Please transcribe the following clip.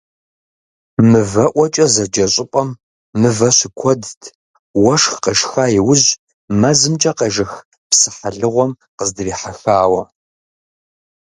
«МывэӀуэкӀэ» зэджэ щӀыпӀэм мывэ щыкуэдт, уэшх къешха иужь, мэзымкӀэ къежэх псыхьэлыгъуэм къыздрихьэхауэ.